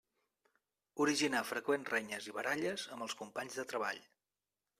Originar freqüents renyes i baralles amb els companys de treball.